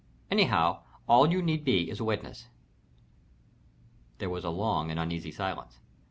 Anyhow, all you need be is a witness." There was a long and uneasy silence.